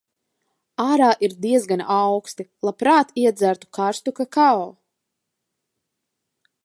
Ārā ir diezgan auksti. Labprāt iedzertu karstu kakao.